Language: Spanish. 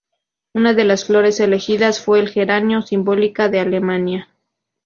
Una de las flores elegidas fue el geranio, simbólica de Alemania.